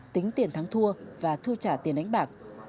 tính tiền thắng thua và thu trả tiền đánh bạc